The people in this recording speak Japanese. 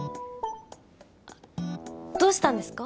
あっどうしたんですか？